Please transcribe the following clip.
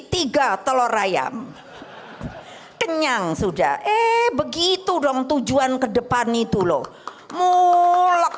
tiga telur ayam kenyang sudah eh begitu dong tujuan kedepan itu loh mulak